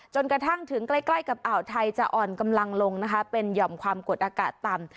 จนกระทั่งถึงใกล้ใกล้กับอ่าวไทยจะอ่อนกำลังลงนะคะเป็นหย่อมความกดอากาศต่ำ